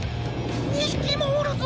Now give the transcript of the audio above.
２ひきもおるぞ！